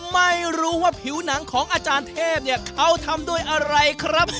ไม่รู้ว่าผิวหนังของอาจารย์เทพเนี่ยเขาทำด้วยอะไรครับ